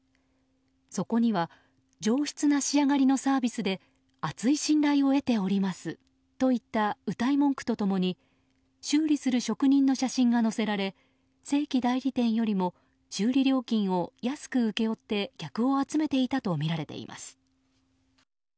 そこには上質な仕上がりのサービスで厚い信頼を得ておりますといったうたい文句と共に修理する職人の写真が載せられ正規代理店よりも修理料金を安く請け負って客を集めていたとみられています。